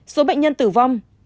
số bệnh nhân tử vong